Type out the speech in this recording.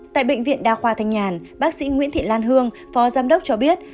tại bệnh viện đa khoa thanh nhàn bác sĩ nguyễn thị lan hương phó giám đốc cho biết